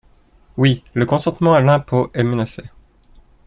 Oui, le consentement à l’impôt est menacé.